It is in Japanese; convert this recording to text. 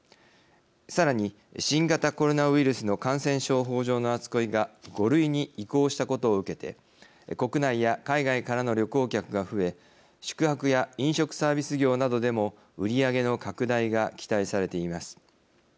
さらに新型コロナウイルスの感染症法上の扱いが５類に移行したことを受けて国内や海外からの旅行客が増え宿泊や飲食サービス業などでも売り上げの拡大が期待されています。